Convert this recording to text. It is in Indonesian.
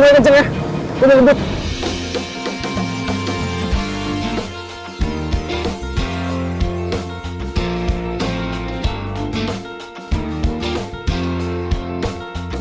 gue pegang lo keras keras